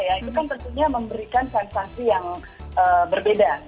itu kan tentunya memberikan sensasi yang berbeda